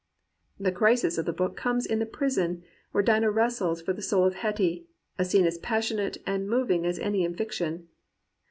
The crisis of the book comes in the prison, where Dinah wrestles for the soul of Hetty — a scene as passionate and moving as any in fiction.